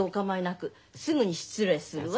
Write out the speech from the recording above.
すぐに失礼するわ。